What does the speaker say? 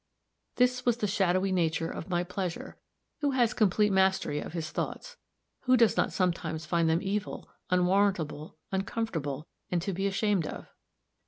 This was the shadowy nature of my pleasure. Who has complete mastery of his thoughts? Who does not sometimes find them evil, unwarrantable, uncomfortable, and to be ashamed of?